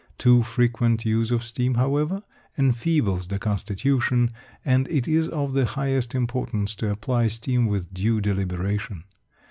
Too frequent use of steam, however, enfeebles the constitution, and it is of the highest importance to apply steam with due deliberation.